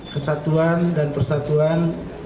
kesatuan dan persatuan